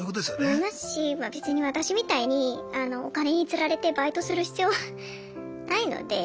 思いますし別に私みたいにお金につられてバイトする必要はないので。